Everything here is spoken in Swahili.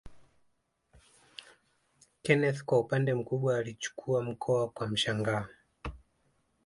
Kenneth kwa upande mkubwa alichukua mkoa kwa mshangao